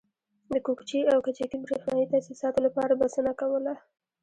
د کوکچې او کجکي برېښنایي تاسیساتو لپاره بسنه کوله.